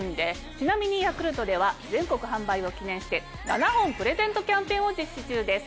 ちなみにヤクルトでは全国販売を記念して７本プレゼントキャンペーンを実施中です。